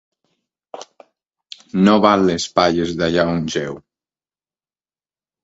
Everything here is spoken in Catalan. No val les palles d'allà on jeu.